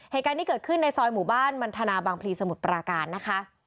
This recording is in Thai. เหตุการณ์นี้เกิดขึ้นในซอยหมู่บ้านมันทนาบางพลีสมุทรปราการนะคะ